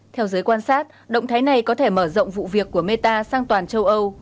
theo giới quan sát động thái này có thể mở rộng vụ việc của meta sang toàn châu âu